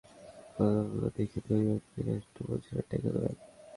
সুন্দর সঙ্গী জুটিয়ে দেওয়ার প্রলোভন দেখিয়ে ধনী ব্যক্তিদের কাছে পৌঁছতেন টিকেলম্যান।